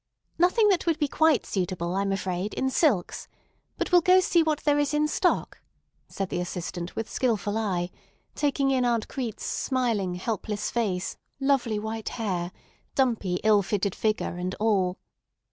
"Nothing that would be quite suitable, I'm afraid, in silks. But we'll go and see what there is in stock," said the assistant with skilful eye, taking in Aunt Crete's smiling, helpless face, lovely white hair, dumpy, ill fitted figure, and all.